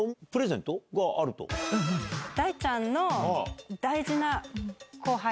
大ちゃんの。